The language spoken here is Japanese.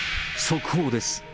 速報です。